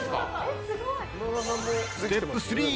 ステップ３。